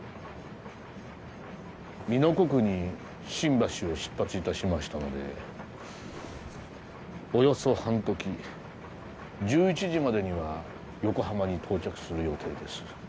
巳の刻に新橋を出発致しましたのでおよそ半時１１時までには横浜に到着する予定です。